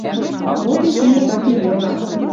Вот и шӱмет так и йыла